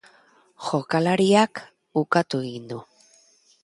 Jokalariak ukatu egin du.